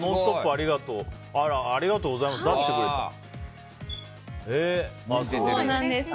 ありがとうございます。